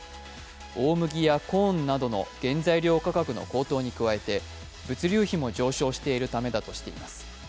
大麦やコーンなどの原材料価格の高騰に加えて物流費も上昇しているためだとしています。